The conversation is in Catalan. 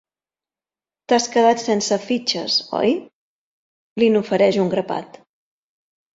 T'has quedat sense fitxes, oi? —li n'ofereix un grapat—.